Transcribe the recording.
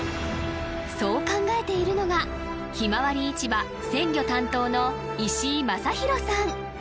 そう考えているのがひまわり市場鮮魚担当の石井正大さん